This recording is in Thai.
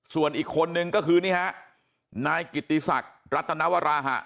ส่วนอีกคนนึงก็คือนี่ฮะนายกิติศักดิ์รัตนวราหะ